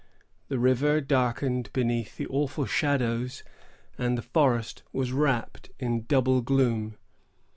The river darkened beneath the awful shadows, and the forest was wrapped in double gloom.